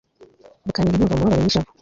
bukantera inkunga mu mubabaro n'ishavu